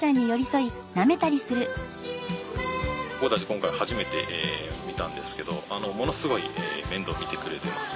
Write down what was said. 今回初めて見たんですけどものすごい面倒見てくれてます。